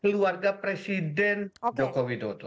keluarga presiden joko widodo